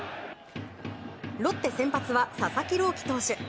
ロッテ先発は、佐々木朗希投手。